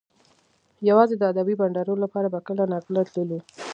یوازې د ادبي بنډارونو لپاره به کله ناکله تللو